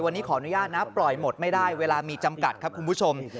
วันนี้ขออนุญาตนะปล่อยหมดไม่ได้เวลามีจำกัดครับคุณผู้ชม